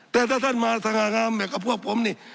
แต่ถ้าท่านมาสง่างามแมคกับพวกผมนี่